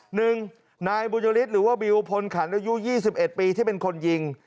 หนึ่งนายบุญยฤทธิ์หรือว่าบิวพลขันอายุ๒๑ปีที่เป็นคนยิง